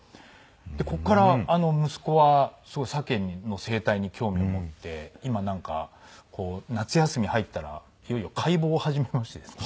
ここから息子はすごい鮭の生態に興味を持って今なんか夏休み入ったらいよいよ解剖を始めましてですね。